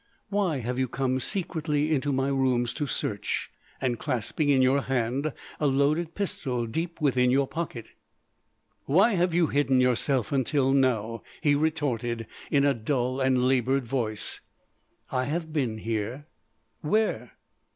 "Why have you come secretly into my rooms to search—and clasping in your hand a loaded pistol deep within your pocket?" "Why have you hidden yourself until now?" he retorted in a dull and laboured voice. "I have been here." "Where?"